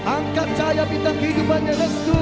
angkat cahaya bintang kehidupan yang destu